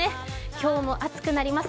今日も暑くなります。